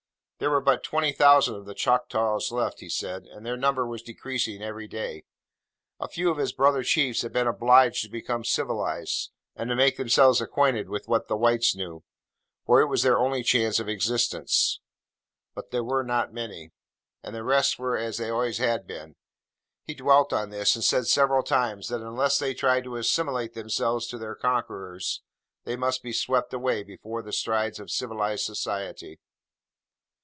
There were but twenty thousand of the Choctaws left, he said, and their number was decreasing every day. A few of his brother chiefs had been obliged to become civilised, and to make themselves acquainted with what the whites knew, for it was their only chance of existence. But they were not many; and the rest were as they always had been. He dwelt on this: and said several times that unless they tried to assimilate themselves to their conquerors, they must be swept away before the strides of civilised society.